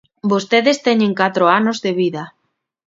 Vostedes teñen catro anos de vida.